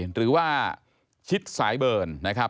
หรือว่าชิดสายเบิร์นนะครับ